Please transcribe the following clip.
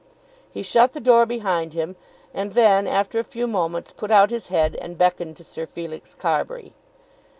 He shut the door behind him, and then, after a few moments, put out his head and beckoned to Sir Felix Carbury.